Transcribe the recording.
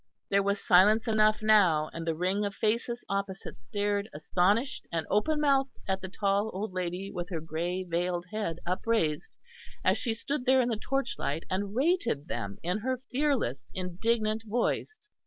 There was silence enough now, and the ring of faces opposite stared astonished and open mouthed at the tall old lady with her grey veiled head upraised, as she stood there in the torchlight and rated them in her fearless indignant voice.